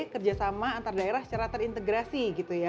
kerjasama antar daerah secara terintegrasi